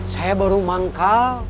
saya baru manggal